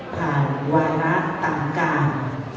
ผ่านวาระต่างการ